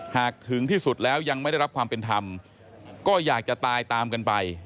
ถึงที่สุดแล้วยังไม่ได้รับความเป็นธรรมก็อยากจะตายตามกันไป